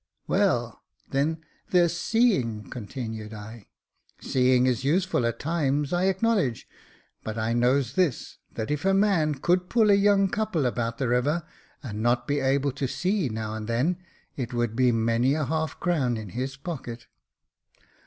"Well, then, there's seeing," continued I. " Seeing is useful at times, I acknowledge : but I knows this, that if a man could pull a young couple about the river, and not be able to see now and then, it would be many a half crown in his pocket."